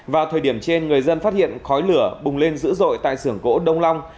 vào thời điểm trên người dân phát hiện khói lửa bùng lên dữ dội tại xưởng gỗ đông long